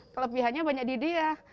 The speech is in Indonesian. kelebihannya banyak di dia